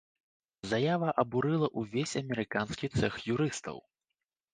Заява абурыла ўвесь амерыканскі цэх юрыстаў.